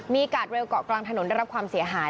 มีกาดเร็วเกาะกลางถนนได้รับความเสียหาย